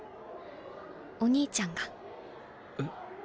お兄ちゃんが。え？